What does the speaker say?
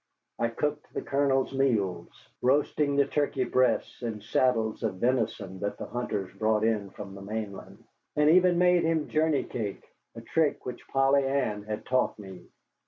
I cooked the Colonel's meals, roasting the turkey breasts and saddles of venison that the hunters brought in from the mainland, and even made him journey cake, a trick which Polly Ann had taught me.